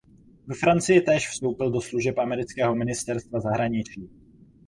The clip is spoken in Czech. Ve Francii též vstoupil do služeb amerického ministerstva zahraničí.